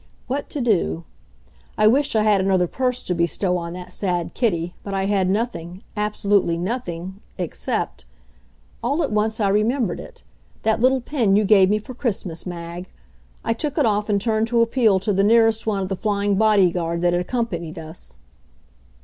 What to do? I wished I had another purse to bestow on that sad Kitty, but I had nothing, absolutely nothing, except all at once I remembered it that little pin you gave me for Christmas, Mag. I took it off and turned to appeal to the nearest one of the flying body guard that had accompanied us.